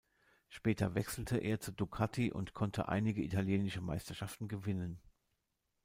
Später wechselte er zu Ducati und konnte einige italienische Meisterschaften gewinnen.